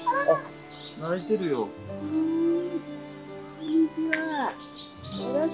こんにちは。